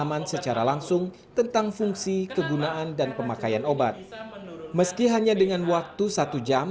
meski hanya dengan waktu satu jam